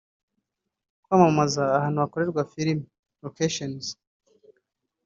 kwamamaza ahantu hakorerwa filime (locations)